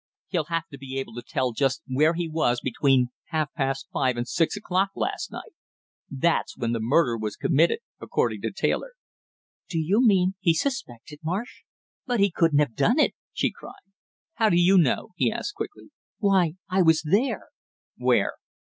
"He'll, have to be able to tell just where he was between half past five and six o'clock last night; that's when the murder was committed, according to Taylor." "Do you mean he's suspected, Marsh? But he couldn't have done it!" she cried. "How do you know?" he asked quickly. "Why, I was there " "Where?"